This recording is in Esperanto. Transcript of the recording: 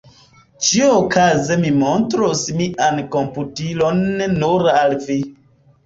Ĉiuokaze mi montros mian komputilon nur al vi.